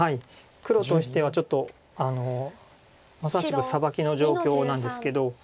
黒としてはちょっとまさしくサバキの状況なんですけど。